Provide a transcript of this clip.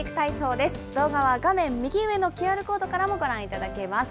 動画は画面右上のＱＲコードからもご覧いただけます。